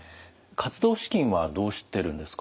活動資金はどうしてるんですか？